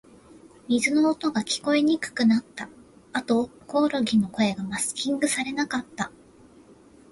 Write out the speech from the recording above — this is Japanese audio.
水の音が、聞こえにくくなった。あと、コオロギの声がマスキングされなかった。